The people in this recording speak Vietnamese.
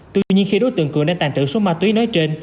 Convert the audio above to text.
tuy nhiên khi đối tượng cường nên tàn trữ số ma túy nói trên